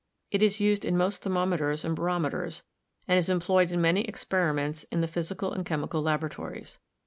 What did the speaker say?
It is used in most thermometers and barome ters, and is employed in many experiments in the physical and chemical laboratories.